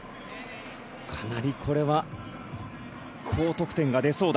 かなりこれは高得点が出そうだ。